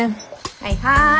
はいはい。